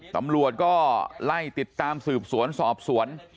ตำรวจก็ไล่ติดตามสืบสวนสอบสวน